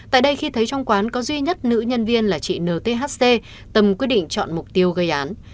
tại đây khi thấy trong quán có duy nhất nữ nhân viên là chị nthc tâm quyết định chọn mục tiêu gây án